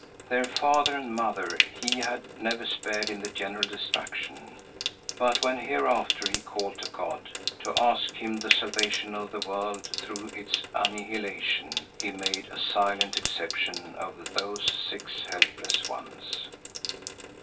Their father and mother he had never spared in the general destruction, but when hereafter he called to God to ask of Him the salvation of the world through its annihilation, he made a silent exception of those six helpless ones.